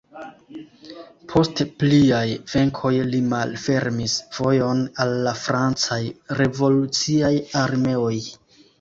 Post pliaj venkoj li malfermis vojon al la francaj revoluciaj armeoj.